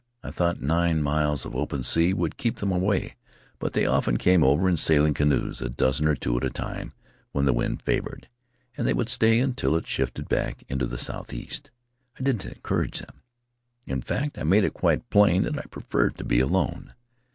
I thought nine miles of open sea would keep them away; but they often came over in sailing canoes — a dozen or two at a time when the wind favored; and they would stay until it shifted back into the southeast. I didn't encourage them. In fact, I made it quite plain that I preferred to be alone.